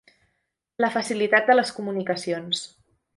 La facilitat de les comunicacions.